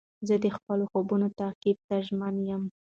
زه د خپلو خوبو تعقیب ته ژمن یم.